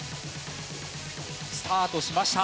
スタートしました。